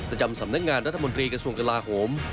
ประจำสำนักงานรัฐมนตรีกระทรวงกลาโหม